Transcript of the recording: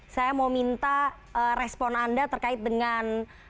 saya mau minta respon anda terkait dengan